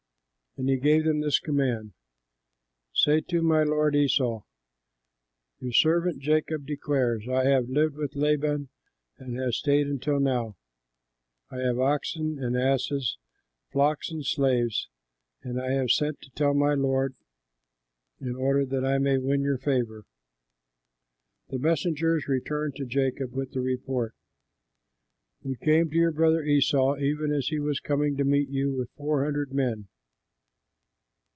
And he gave them this command, "Say to my lord Esau: 'Your servant Jacob declares, I have lived with Laban and have stayed until now. I have oxen and asses, flocks and slaves, and I have sent to tell my lord, in order that I may win your favor.'" The messengers returned to Jacob with the report, "We came to your brother Esau, even as he was coming to meet you with four hundred men."